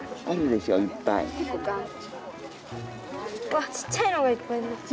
わっちっちゃいのがいっぱい出てきた。